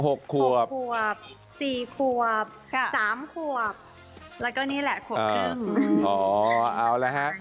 หกขวบขวบสี่ขวบค่ะสามขวบแล้วก็นี่แหละขวบครึ่งอ๋อเอาละฮะ